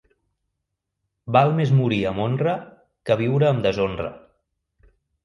Val més morir amb honra que viure amb deshonra.